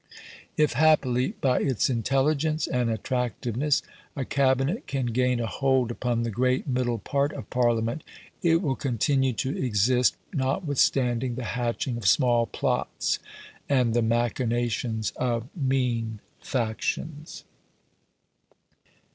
If happily, by its intelligence and attractiveness, a Cabinet can gain a hold upon the great middle part of Parliament, it will continue to exist notwithstanding the hatching of small plots and the machinations of mean factions.